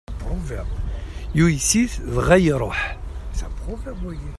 Yuyes-it dɣa iṛuḥ.